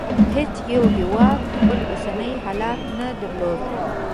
هېڅ یو هېواد خپل اوسنی حالت نه درلود.